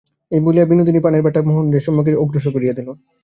এই বলিয়া বিনোদিনী পানের বাটা মহেন্দ্রের সম্মুখে অগ্রসর করিয়া দিল।